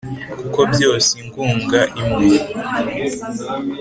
kuko byose ingunga imwe